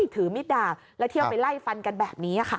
ถือมิดดาบแล้วเที่ยวไปไล่ฟันกันแบบนี้ค่ะ